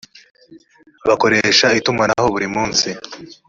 bakoresha itumanaho burimunsi.